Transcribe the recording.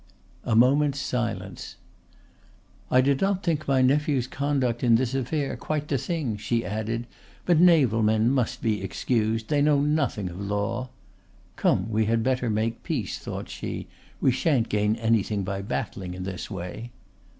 A moment's silence. "I did not think my nephew's conduct in this affair quite the thing," she added; "but naval men must be excused; they know nothing of law." ("Come, we had better make peace," thought she; "we sha'n't gain anything by battling in this way.")